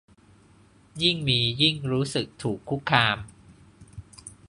ยิ่งมียิ่งรู้สึกถูกคุกคาม